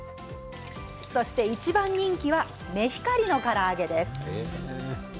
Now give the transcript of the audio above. そして、一番人気はメヒカリのから揚げです。